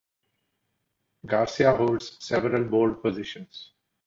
Garcia holds several board positions.